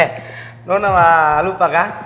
eh nona mah lupa kah